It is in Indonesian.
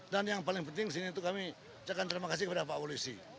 dan yang paling penting di sini itu kami cakap terima kasih kepada pak wulisi